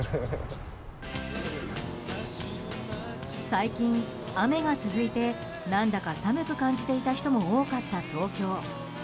最近、雨が続いて何だか寒く感じていた人も多かった東京。